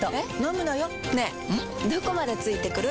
どこまで付いてくる？